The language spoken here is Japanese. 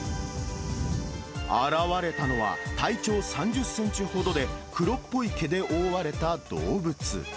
現れたのは、体長３０センチほどで、黒っぽい毛で覆われた動物。